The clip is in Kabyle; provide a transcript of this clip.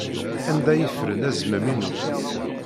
Anda ay ffren azmam-inu?